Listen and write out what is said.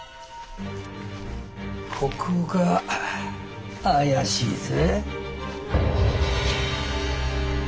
ここが怪しいぜ。